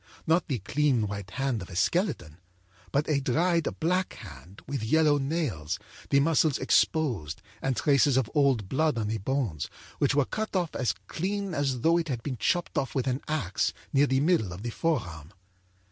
Not the clean white hand of a skeleton, but a dried black hand, with yellow nails, the muscles exposed and traces of old blood on the bones, which were cut off as clean as though it had been chopped off with an axe, near the middle of the forearm.